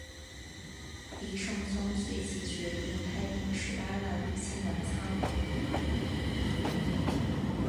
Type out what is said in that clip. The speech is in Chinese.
黎圣宗随即决定派兵十八万入侵澜沧。